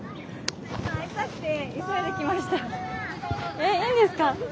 えっいいんですか？